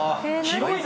広い。